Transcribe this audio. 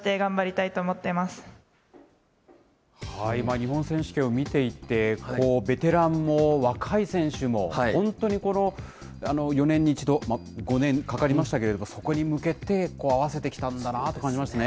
日本選手権を見ていて、ベテランも若い選手も、本当にこの４年に１度、５年かかりましたけれども、そこに向けて、合わせてきたんだなと感じましたね。